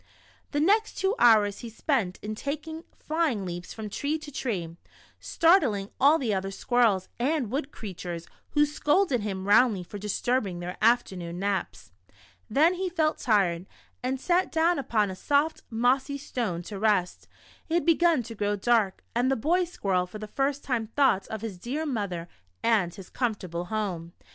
The next two hours he spent in taking flying leaps from tree to tree, startling all the other squirrels and wood creatures, who scolded him roundly for disturbing their afternoon naps. Then he felt tired, and sat down upon a soft mossy stone to rest. It had beo^un to orrow dark, and the bov squirrel for the first time thought of his dear mother and his comfortable home.